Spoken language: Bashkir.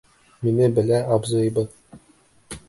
Мине белә абзыйыбыҙ.